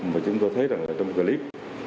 mà chúng tôi thấy trong clip